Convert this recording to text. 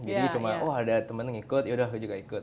jadi cuma oh ada temen yang ikut yaudah aku juga ikut